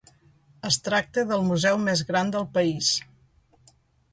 Es tracta del museu més gran del país.